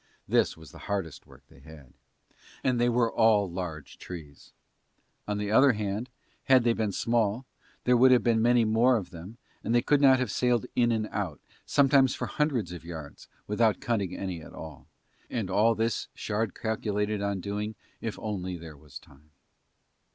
This was the hardest work they had. And they were all large trees, on the other hand had they been small there would have been many more of them and they could not have sailed in and out, sometimes for hundreds of yards, without cutting any at all: and all this Shard calculated on doing if only there was time.